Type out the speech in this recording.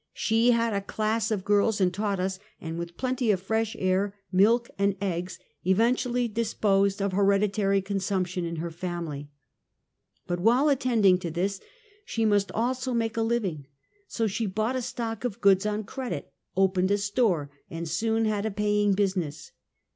She had a class of girls and tanght us, and with plenty of fresh air, milk and eggs, eflectually dis posed of hereditary consumption in her family. But while attending to us, she must also make a living, so she bought a stock of goods on credit, opened a store, and soon had a paying business.